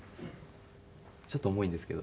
ちょっと重いんですけど。